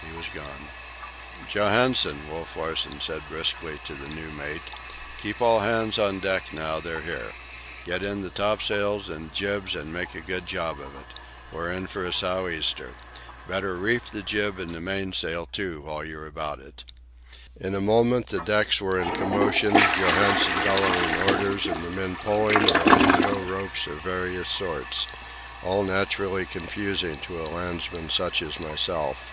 He was gone. "Johansen," Wolf Larsen said briskly to the new mate, "keep all hands on deck now they're here. Get in the topsails and jibs and make a good job of it. We're in for a sou' easter. Better reef the jib and mainsail too, while you're about it." In a moment the decks were in commotion, Johansen bellowing orders and the men pulling or letting go ropes of various sorts—all naturally confusing to a landsman such as myself.